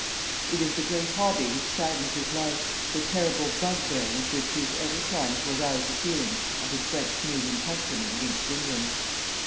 It is the great hobby which saddens his life, the terrible bugbear with which he is ever trying to arouse the feelings of his French Canadian countrymen against England.